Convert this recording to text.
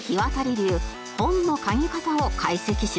流本の嗅ぎ方を解析します